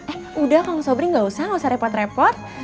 eh udah kamu sobri gak usah gak usah repot repot